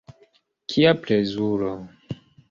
Kia plezuro!